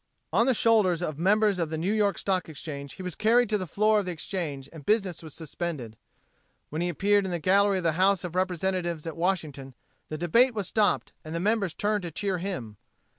On the shoulders of members of the New York Stock Exchange he was carried to the floor of the Exchange and business was suspended. When he appeared in the gallery of the House of Representatives at Washington, the debate was stopped and the members turned to cheer him.